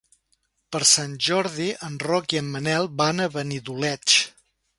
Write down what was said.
Per Sant Jordi en Roc i en Manel van a Benidoleig.